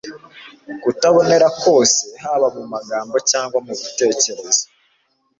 ukutabonera kose haba mu magambo cyangwa mu bitekerezo.